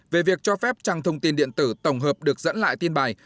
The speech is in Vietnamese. về việc cho phép trang thông tin điện tử tổng hợp được dẫn lại tin bài